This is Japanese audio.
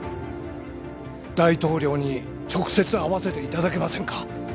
大統領に直接会わせていただけませんか？